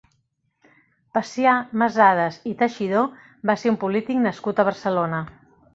Pacià Masadas i Teixidó va ser un polític nascut a Barcelona.